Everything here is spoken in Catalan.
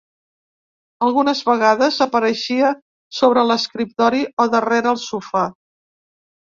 Algunes vegades apareixia sobre l'escriptori o darrere el sofà.